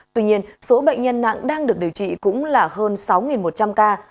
tuy nhiên số bệnh nhân nặng đang được điều trị cũng là hơn sáu một trăm linh ca